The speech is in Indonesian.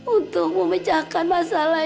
untuk memecahkan masalah